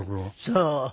そう。